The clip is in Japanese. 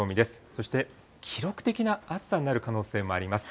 そして記録的な暑さになる可能性もあります。